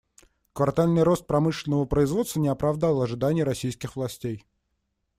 Квартальный рост промышленного производства не оправдал ожиданий российских властей.